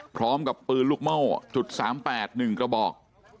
พร้อมกับปืนลูกเม่าจุดสามแปดหนึ่งกระบอก